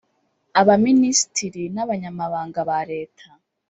abaminisitiri n abanyamabanga ba leta